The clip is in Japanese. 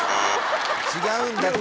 違うんだって。